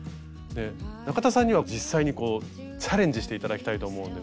中田さんには実際にチャレンジして頂きたいと思うんですが。